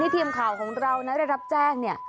ทีมข่าวของเราได้รับแจ้ง